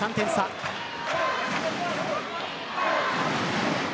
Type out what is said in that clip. ３点差。